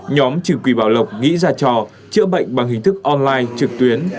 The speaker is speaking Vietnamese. nhóm trừ quỷ bảo lộc nghĩ ra cho chữa bệnh bằng hình thức online trực tuyến